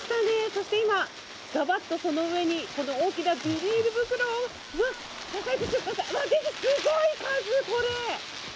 そして今、がばっとその上に、大きなビニール袋を、うわっ、わっ、すごい数、これ。